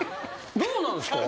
どうなんすか？